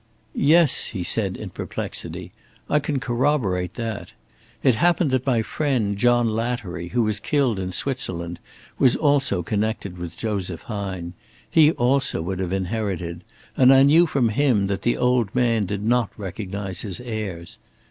"Yes," he said, in perplexity, "I can corroborate that. It happened that my friend John Lattery, who was killed in Switzerland, was also connected with Joseph Hine. He also would have inherited; and I knew from him that the old man did not recognize his heirs.